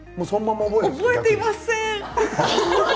覚えていません。